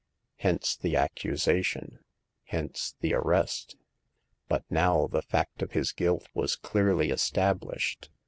Hence the accusation ; hence the arrest. But now the fact of his guilt was clearly established.